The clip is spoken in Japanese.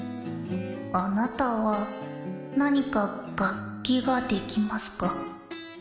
あなたはなにかがっきができますか？